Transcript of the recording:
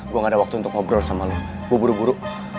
gue gak ada waktu untuk ngobrol sama lo gue buru buru